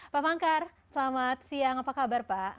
pak pangkar selamat siang apa kabar pak